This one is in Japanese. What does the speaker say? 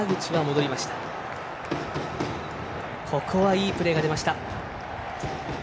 いいプレーがでました。